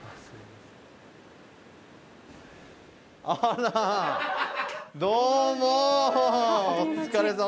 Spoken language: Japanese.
あら。